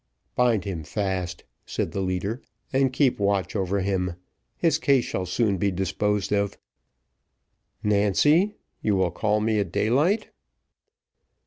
"Bind him fast," said the leader, "and keep watch over him; his case shall soon be disposed of. Nancy, you will call me at daylight."